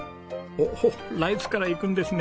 おおライスからいくんですね。